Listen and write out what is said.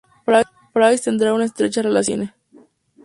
Price tendrá una estrecha relación con el cine.